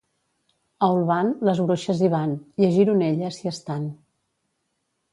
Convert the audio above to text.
A Olvan les bruixes hi van; i a Gironella s'hi estan.